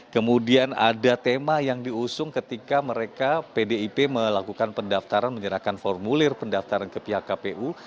kemudian ada tema yang diusung ketika mereka pdip melakukan pendaftaran menyerahkan formulir pendaftaran ke pihak kpu